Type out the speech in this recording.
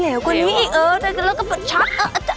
เหลวกว่านี้แล้วแบบนี้เกือนตัวแชฟ